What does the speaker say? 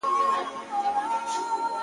پر خپلوانو گاونډیانو مهربان وو٫